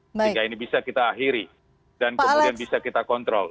sehingga ini bisa kita akhiri dan kemudian bisa kita kontrol